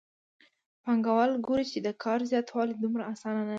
پانګوال ګوري چې د کار زیاتول دومره اسانه نه دي